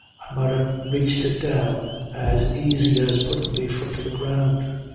I might ha' raiched it down as aisy as puttin' me fut to the ground.